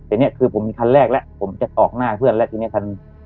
แต่เนี้ยคือผมมีคันแรกและผมจะออกหน้ากับเพื่อนและทีนี้คัน